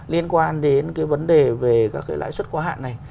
liên quan đến cái vấn đề về các cái lại xuất khóa hạn này